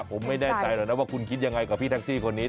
ผมไม่แน่ใจหรอกนะว่าคุณคิดยังไงกับพี่แท็กซี่คนนี้